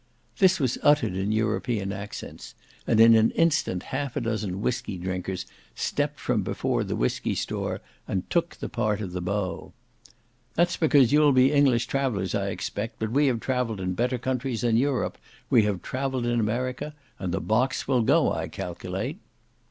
This was uttered in European accents, and in an instant half a dozen whiskey drinkers stepped from before the whiskey store, and took the part of the beau. "That's because you'll be English travellers I expect, but we have travelled in better countries than Europe—we have travelled in America—and the box will go, I calculate."